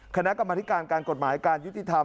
คณะกรรมธิการการกฎหมายการยุติธรรม